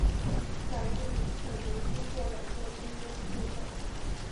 反应可能经过两个中间步骤。